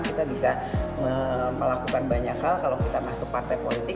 kita bisa melakukan banyak hal kalau kita masuk partai politik